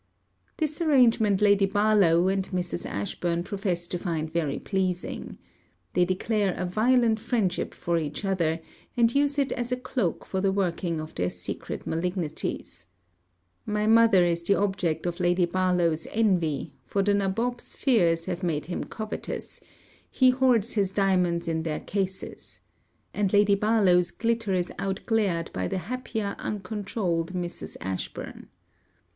This arrangement Lady Barlowe and Mrs. Ashburn profess to find very pleasing. They declare a violent friendship for each other; and use it as a cloak for the workings of their secret malignities. My mother is the object of Lady Barlowe's envy: for the nabob's fears have made him covetous; he hoards his diamonds in their cases; and Lady Barlowe's glitter is out glared by the happier uncontrouled Mrs. Ashburn.